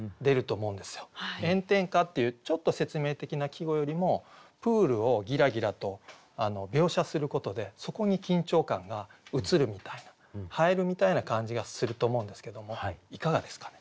「炎天下」っていうちょっと説明的な季語よりもプールを「ぎらぎら」と描写することでそこに緊張感が映るみたいな映えるみたいな感じがすると思うんですけどもいかがですかね？